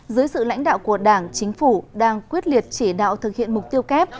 dưới sự lãnh đạo của đảng chính phủ đang quyết liệt chỉ đạo thực hiện mục tiêu kép